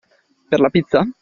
Per la pizza?